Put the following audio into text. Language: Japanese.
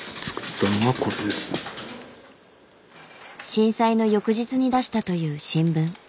震災の翌日に出したという新聞。